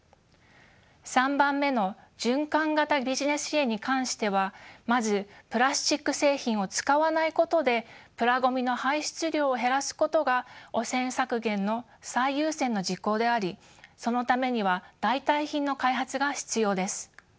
３番目の循環型ビジネス支援に関してはまずプラスチック製品を使わないことでプラごみの排出量を減らすことが汚染削減の最優先の事項でありそのためには代替品の開発が必要です。